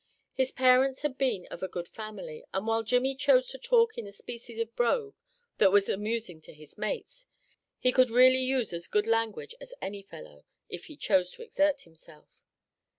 His parents had been of a good family, and while Jimmie chose to talk in a species of brogue, that was amusing to his mates, he could really use as good language as any fellow, if he chose to exert himself.